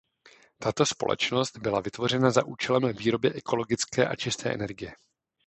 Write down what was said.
Tato společnost byla vytvořena za účelem výroby ekologické a čisté energie.